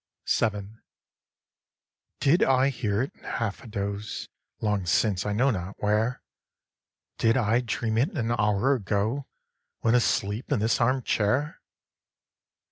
VII. 1. Did I hear it half in a doze Long since, I know not where? Did I dream it an hour ago, When asleep in this arm chair?